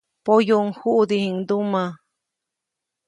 Poyuʼuŋ juʼdijiʼŋndumä.